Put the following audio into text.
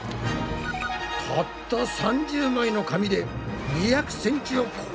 たった３０枚の紙で２００ｃｍを超えたぞ。